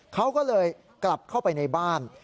เขาก็เลยกลับเข้าไปในบ้าน